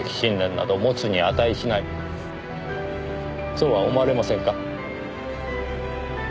そうは思われませんか？